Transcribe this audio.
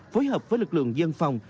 phối hợp với lực lượng dân phòng